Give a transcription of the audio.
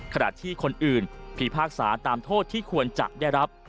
ขณะที่คนอื่นพิพากษาตามโทษที่ควรจะได้รับ